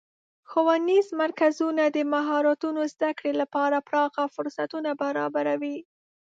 ښوونیز مرکزونه د مهارتونو زدهکړې لپاره پراخه فرصتونه برابروي.